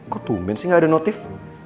kok tumpen sih gak ada notif